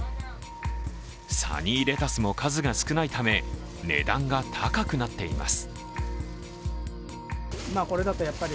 サニーレタスも数が少ないため値段が高くなっています。